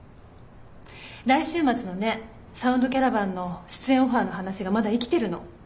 来週末のね「サウンドキャラバン」の出演オファーの話がまだ生きてるの。